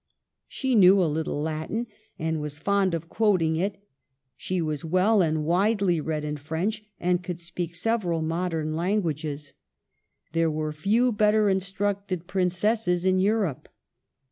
She knew a little Latin, and was fond of quoting it ; she was well and widely read in French, and could speak several modern languages ; there were few bet ter instructed princesses in Europe.